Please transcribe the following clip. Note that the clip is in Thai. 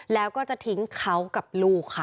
แล้วก็จะทิ้งเขากับลูกค่ะ